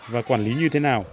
và quản lý như thế nào